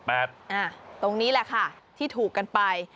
ตรงนี้แหละค่ะที่ถูกกันไป